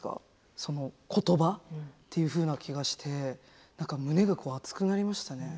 その言葉っていうふうな気がして何か胸が熱くなりましたね。